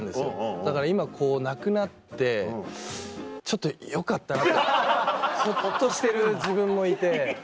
だから今なくなってちょっとよかったなってほっとしてる自分もいて。